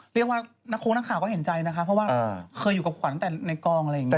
เรียกว่านักคงนักข่าวก็เห็นใจนะคะเพราะว่าเคยอยู่กับขวัญแต่ในกองอะไรอย่างนี้